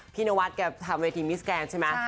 พี่นวัดแกทำวัยทีมิสแกงส์ใช่ไหม